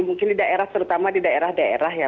mungkin di daerah terutama di daerah daerah ya